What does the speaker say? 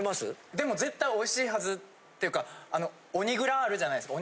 でも絶対おいしいはずていうかあのオニグラあるじゃないですか。